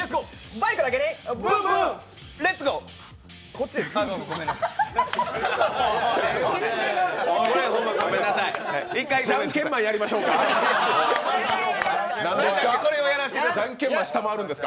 バイクだけにこっちです。